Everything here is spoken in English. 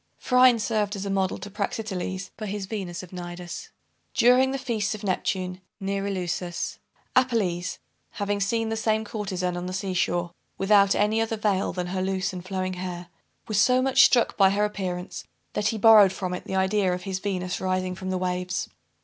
Phryne served as a model to Praxiteles, for his Venus of Cnidus. During the feasts of Neptune, near Eleusis, Apelles having seen the same courtezan on the sea shore, without any other veil than her loose and flowing hair, was so much struck with her appearance, that he borrowed from it the idea of his Venus rising from the waves.